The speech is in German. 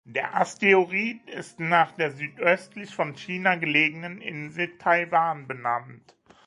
Der Asteroid ist nach der südöstlich von China gelegenen Insel Taiwan benannt.